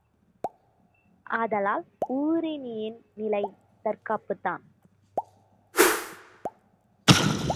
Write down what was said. ஆதலால் ஊருணியின் நிலை தற்காப்புத்தான்.